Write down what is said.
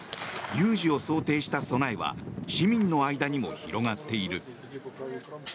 有事を想定した備えは市民の間にも広がっている。